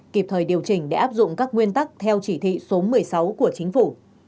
kịp thời điều chỉnh để áp dụng các nguyên tắc theo chỉ thị số một mươi sáu của chính phủ